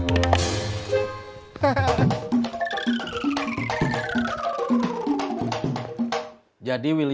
tidak ada apa apa